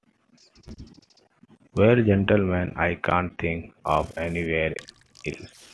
Well, gentlemen, I can’t think of anywhere else.